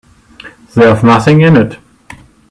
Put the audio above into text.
There's nothing in it.